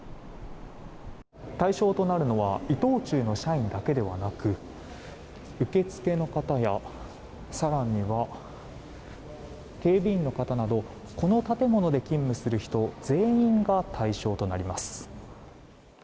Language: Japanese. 対象となるのは伊藤忠の社員だけではなく受付の方や更には警備員の方などこの建物で勤務する人全員が対象となります。